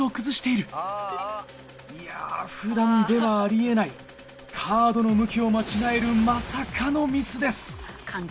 いや普段ではあり得ないカードの向きを間違えるまさかのミスです。